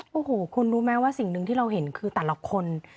โอ้โหคุณรู้ไหมว่าสิ่งหนึ่งที่เราเห็นคือแต่ละคน